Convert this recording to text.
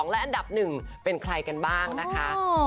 และอันดับ๑เป็นใครกันบ้างนะคะ